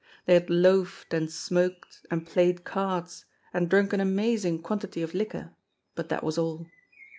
They had loafed and smoked and played cards and drunk an amazing quantity of liquor, but that was all.